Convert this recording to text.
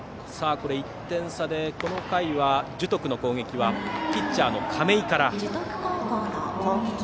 １点差でこの回、樹徳の攻撃はピッチャーの亀井から。